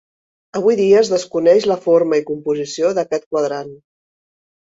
Avui dia es desconeix la forma i composició d'aquest quadrant.